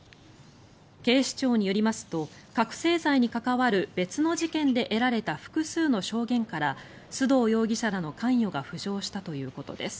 警視庁によりますと覚醒剤に関わる別の事件で得られた複数の証言から須藤容疑者らの関与が浮上したということです。